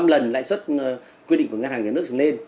năm lần lãi suất quy định của ngân hàng đất nước trở nên